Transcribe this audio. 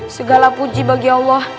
segala puji bagi allah